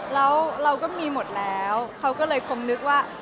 แล้วเราก็มีหมดแล้วเขาก็เลยคงนึกว่า